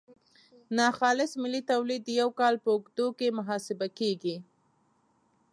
ناخالص ملي تولید د یو کال په اوږدو کې محاسبه کیږي.